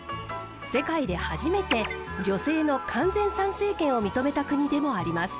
世界で初めて女性の完全参政権を認めた国でもあります。